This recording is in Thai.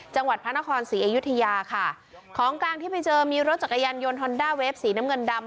จังหวัดพระนครศรีอยุธยาค่ะของกลางที่ไปเจอมีรถจักรยานยนต์ฮอนด้าเวฟสีน้ำเงินดำ